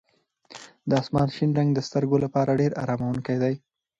د اسمان شین رنګ د سترګو لپاره ډېر اراموونکی دی.